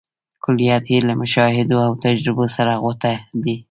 کلیات یې له مشاهدو او تجربو سره غوټه دي.